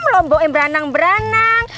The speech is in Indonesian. lombok yang beranang beranang